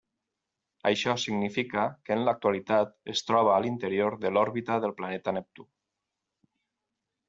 Això significa que en l'actualitat es troba a l'interior de l'òrbita del planeta Neptú.